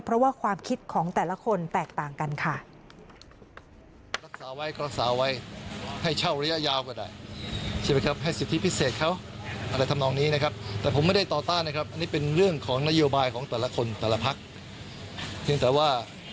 เพราะว่าความคิดของแต่ละคนแตกต่างกันค่ะ